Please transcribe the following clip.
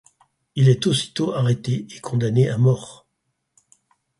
Il est aussitôt arrêté et condamné à mort.